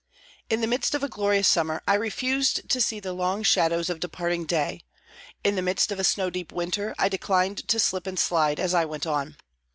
In the midst of a glorious summer, I refused to see the long shadows of departing day; in the midst of a snow deep winter, I declined to slip and slide as I went on.